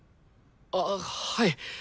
あっはい！